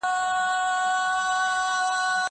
کېدای سي پاکوالی کمزوری وي!؟